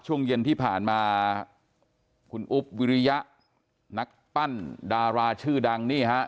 ช่วงเย็นที่ผ่านมาคุณอุ๊บวิริยะนักปั้นดาราชื่อดังนี่ฮะ